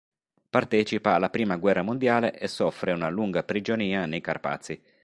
Partecipa alla prima guerra mondiale e soffre una lunga prigionia nei Carpazi.